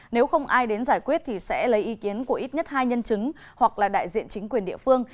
nếu không ai đến giải quyết thì sẽ lấy ý kiến của ít nhất hai nhân chứng hoặc là đại diện chính quyền địa phương